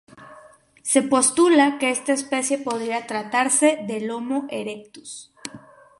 Se postula que esta especie podría tratarse del "Homo erectus".